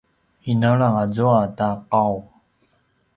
inalang azua ta qau